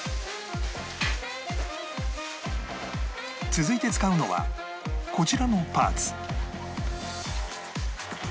続いて使うのはこちらのパーツ